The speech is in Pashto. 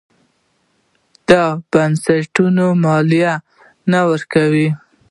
دا بنسټونه مالیه نه ورکوي.